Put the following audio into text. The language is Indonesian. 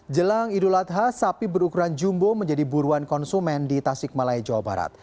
jelang idul adha sapi berukuran jumbo menjadi buruan konsumen di tasik malaya jawa barat